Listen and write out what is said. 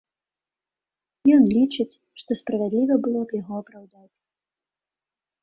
Ён лічыць, што справядліва было б яго апраўдаць.